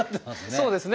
そうですね。